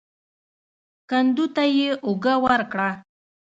کندو ته يې اوږه ورکړه.